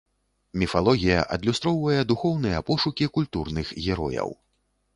Міфалогія адлюстроўвае духоўныя пошукі культурных герояў.